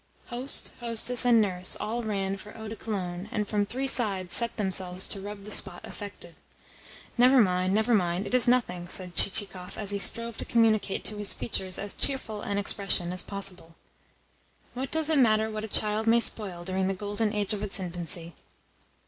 Host, hostess and nurse all ran for eau de Cologne, and from three sides set themselves to rub the spot affected. "Never mind, never mind; it is nothing," said Chichikov as he strove to communicate to his features as cheerful an expression as possible. "What does it matter what a child may spoil during the golden age of its infancy?"